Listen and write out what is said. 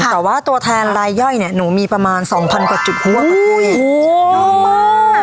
แต่ว่าตัวแทนลายย่อยเนี่ยหนูมีประมาณ๒๐๐๐กว่าจุดหัวประเทศ